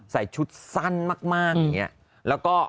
ใส่ชุดสั้นมาก